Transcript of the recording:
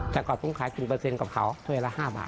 จากก่อนพุ่งขายเป็นเปอร์เซ็นต์กับเขาสวยละ๕บาท